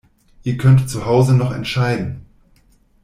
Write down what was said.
Ihr könnt zu Hause noch entscheiden.